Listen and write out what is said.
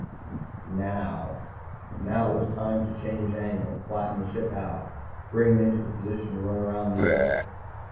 Now it was time to change angle, flatten the ship out, bring it into position to run around the earth.